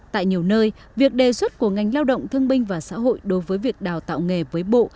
tại nhiều nơi việc đề xuất của ngành lao động thương binh và xã hội đối với việc đào tạo nghề với bộ